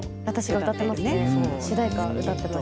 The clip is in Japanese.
私が歌っていますね